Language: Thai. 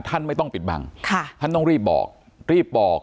ท่านไม่ต้องปิดบังค่ะท่านต้องรีบบอกรีบบอก